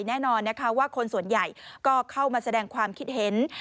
แน่นอนนะคะว่าคนส่วนใหญ่ก็เข้ามาแสดงความคิดเห็น